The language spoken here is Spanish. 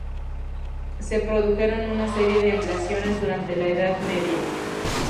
Se produjeron una serie de ampliaciones durante la Edad Media.